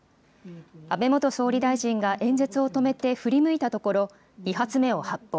安倍元総理大臣が演説を止めて振り向いたところ、２発目を発砲。